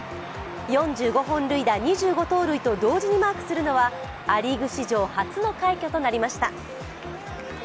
４５本塁打・２５盗塁と同時にマークするのは、ア・リーグ史上初の快挙となりました。